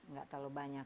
tidak terlalu banyak